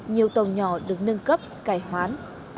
nhiều tàu nhỏ được nâng cấp cải hoán